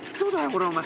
これお前。